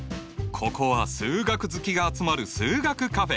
ここは数学好きが集まる数学カフェ。